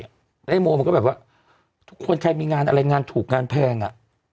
ไอ้โมมันก็แบบว่าทุกคนใครมีงานอะไรงานถูกงานแพงอ่ะ